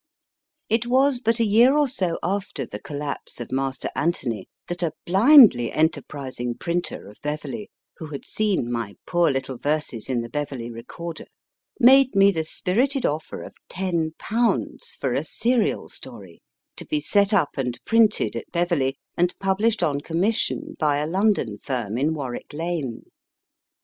It was but a year or so after the collapse of Master Anthony, that a blindly enterprising printer of Beverley, who had seen my poor little verses in the Beverley Recorder, made me the spirited offer of ten pounds for a serial story, to be set up and printed at Beverley, and published on commission by a London firm in Warwick Lane.